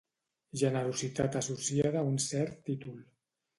Generositat associada a un cert títol.